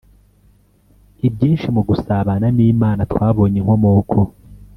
ibyinshi mu gusabana n’imana twabonye inkomoko